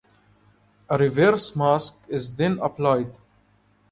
A reverse mask is then applied.